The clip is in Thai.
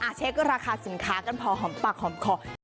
เช็คราคาสินค้ากันพอหอมปากหอมคอ